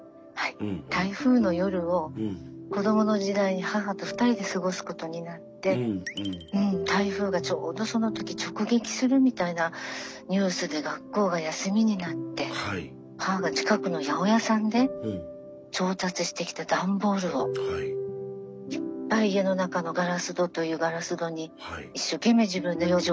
台風の夜を子どもの時代に母と２人で過ごすことになってもう台風がちょうどその時直撃するみたいなニュースで学校が休みになって母が近くの八百屋さんで調達してきた段ボールをいっぱい家の中のガラス戸というガラス戸に一生懸命自分で養生